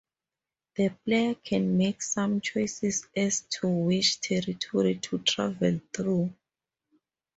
The player can make some choices as to which territory to travel through.